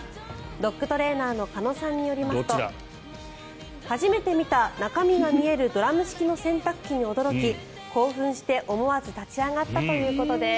ドッグトレーナーの鹿野さんによりますと初めて見た、中身が見えるドラム式の洗濯機に驚き興奮して思わず立ち上がったということです。